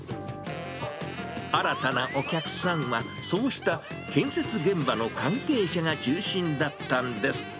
新たなお客さんは、そうした建設現場の関係者が中心だったんです。